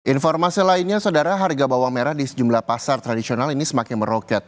informasi lainnya saudara harga bawang merah di sejumlah pasar tradisional ini semakin meroket